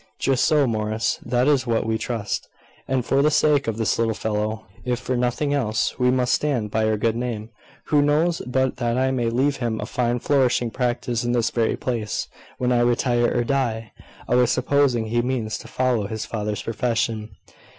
"Just so, Morris: that is what we trust. And for the sake of this little fellow, if for nothing else, we must stand by our good name. Who knows but that I may leave him a fine flourishing practice in this very place, when I retire or die? always supposing he means to follow his father's profession."